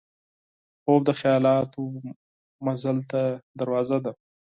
خوب د خیالاتو مزل ته دروازه ده